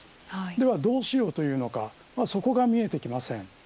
ではどうしようかというのが見えてきません。